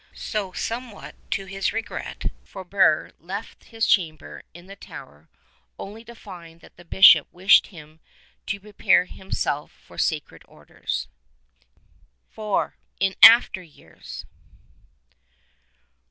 So, somewhat to his regret, Frobert left his chamber in the tower — only to find that the Bishop wished him to pre pare himself for Sacred Orders. IV. IN AFTER YEARS.